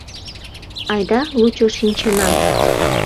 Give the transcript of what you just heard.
Айда, лучо шинчына.